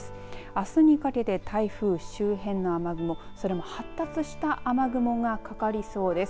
あすにかけて台風周辺の雨雲それも発達した雨雲がかかりそうです。